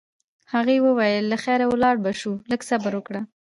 هغې وویل: له خیره ولاړ به شو، لږ صبر وکړه.